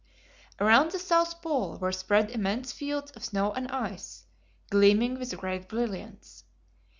Around the South Pole were spread immense fields of snow and ice, gleaming with great brilliance.